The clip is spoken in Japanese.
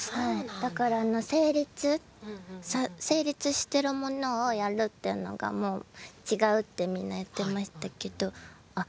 だから成立してるものをやるっていうのがもう違うってみんな言ってましたけどあっ